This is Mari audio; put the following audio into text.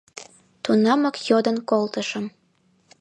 Тунамак йодын колтышым.